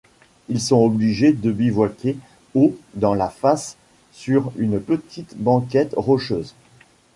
Ils sont obligés de bivouaquer haut dans la face sur une petite banquette rocheuse.